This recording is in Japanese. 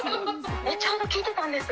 ちょうど聴いてたんです。